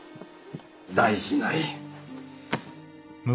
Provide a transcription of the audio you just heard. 大事ない。